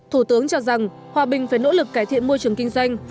thủ tướng cho rằng hòa bình phải nỗ lực cải thiện môi trường kinh doanh